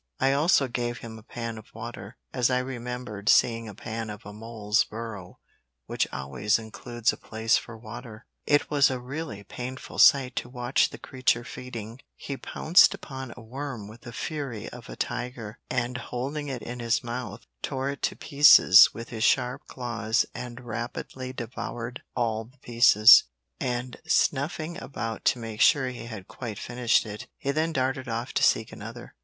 I also gave him a pan of water, as I remembered seeing a plan of a mole's burrow which always includes a place for water. It was a really painful sight to watch the creature feeding; he pounced upon a worm with the fury of a tiger, and holding it in his mouth, tore it to pieces with his sharp claws and rapidly devoured all the pieces, and snuffing about to make sure he had quite finished it, he then darted off to seek another.